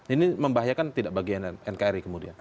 ini membahayakan tidak bagi nkri kemudian